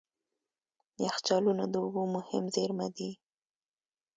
یخچالونه د اوبو مهم زیرمه دي.